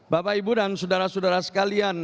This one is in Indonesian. bapak ibu dan saudara saudara sekalian